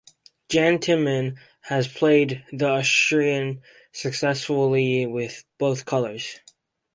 Jan Timman has played the Austrian successfully with both colours.